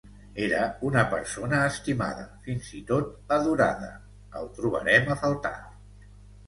Era una persona estimada, fins i tot adorada… El trobarem a faltar.